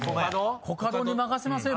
コカドに任せません？